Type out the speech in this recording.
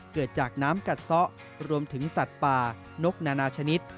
เกิดจากน้ำกัดซะรวมถึงสัตว์ป่านกนานาชนิด